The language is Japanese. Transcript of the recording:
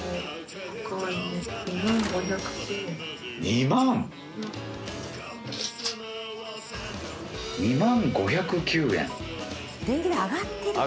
２万⁉２万５０９円。